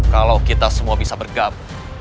kalau kita semua bisa bergabung